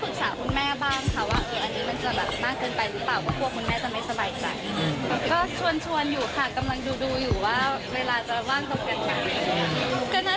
ก็น่าจะเกิดขึ้นนะคะ